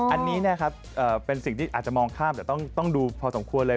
อันนี้นะครับเป็นสิ่งที่อาจจะมองข้ามแต่ต้องดูพอสมควรเลย